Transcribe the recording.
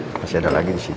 masih ada lagi di sini